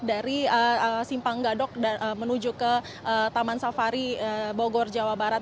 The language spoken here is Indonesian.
dari simpang gadok menuju ke taman safari bogor jawa barat